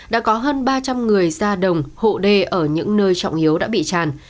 đã có hơn ba trăm linh người ra đồng hộ đê ở những nơi trọng yếu đã bị tràn